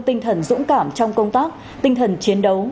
tinh thần dũng cảm trong công tác tinh thần chiến đấu